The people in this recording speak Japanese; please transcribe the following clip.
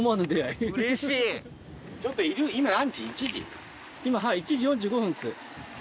今１時４５分です。